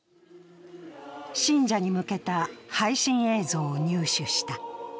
信者に向けた配信映像を入手した。